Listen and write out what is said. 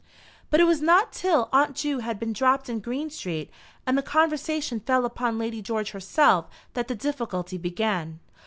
But it was not till Aunt Ju had been dropped in Green Street, and the conversation fell upon Lady George herself, that the difficulty began.